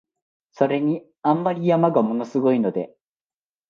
それに、あんまり山が物凄いので、